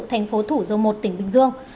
thành phố thủ dầu một tỉnh bình dương